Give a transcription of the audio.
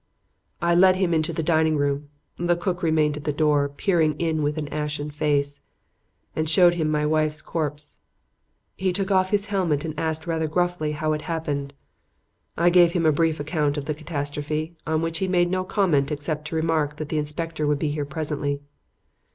"I led him into the dining room the cook remained at the door, peering in with an ashen face and showed him my wife's corpse. He took off his helmet and asked rather gruffly how it happened. I gave him a brief account of the catastrophe, on which he made no comment except to remark that the inspector would be here presently.